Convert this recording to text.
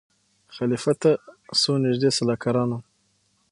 خلیفه ته څو نیژدې سلاکارانو